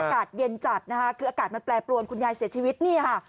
อากาศเย็นจัดนะคะคืออากาศมันแปรปรวนคุณยายเสียชีวิตนี่ค่ะ